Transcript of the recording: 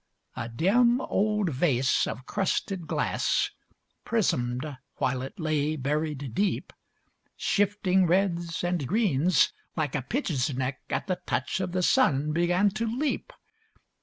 A dim old vase of crusted glass, Prismed while it lay buried deep. Shifting reds and greens, like a pigeon's neck, At the touch of the sun began to leap.